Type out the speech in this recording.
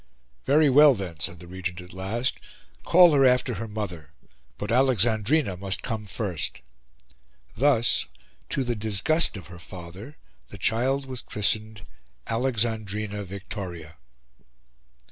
"Very well, then," said the Regent at last, "call her after her mother. But Alexandrina must come first." Thus, to the disgust of her father, the child was christened Alexandrina Victoria.